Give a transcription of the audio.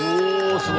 お！